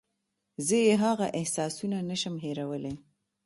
زه یې هغه احسانونه نشم هېرولی.